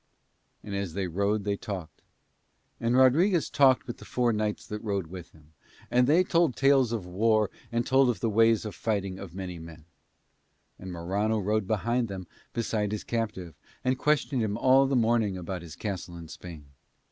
And as they rode they talked. And Rodriguez talked with the four knights that rode with him, and they told tales of war and told of the ways of fighting of many men: and Morano rode behind them beside the captive and questioned him all the morning about his castle in Spain.